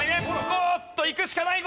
おっといくしかないぞ！